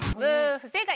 不正解！